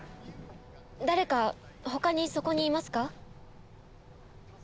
誰かほかにそこにいますか？